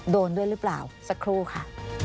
โดนด้วยหรือเปล่าสักครู่ค่ะ